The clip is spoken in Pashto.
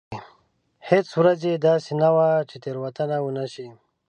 هېڅ ورځ داسې نه وه چې تېروتنه ونه شي.